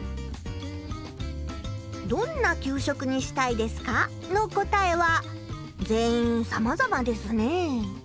「どんな給食にしたいですか？」の答えは全員さまざまですねえ。